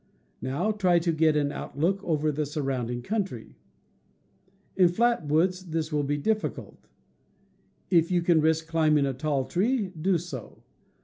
Now try to get an outlook over the surrounding country. In P . flat woods this will be difficult. If you ^., can risk climbing a tall tree, do so.